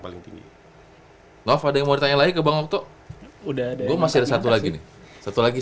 paling tinggi nof ada yang mau ditanya lagi ke bang okto udah gue masih ada satu lagi nih satu lagi